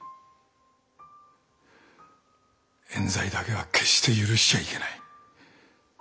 えん罪だけは決して許しちゃいけない。